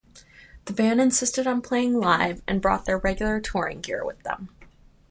The band insisted on playing live, and brought their regular touring gear with them.